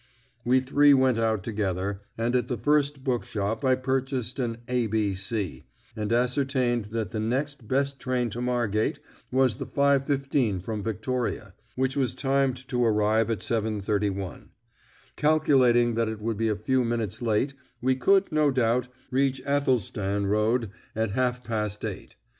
We three went out together, and at the first book shop I purchased an "A B C," and ascertained that the next best train to Margate was the 5.15 from Victoria, which was timed to arrive at 7.31. Calculating that it would be a few minutes late, we could, no doubt, reach Athelstan Road at half past eight.